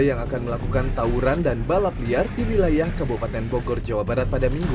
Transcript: yang akan melakukan tawuran dan balap liar di wilayah kabupaten bogor jawa barat pada minggu